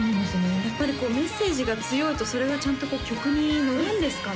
やっぱりメッセージが強いとそれがちゃんと曲にのるんですかね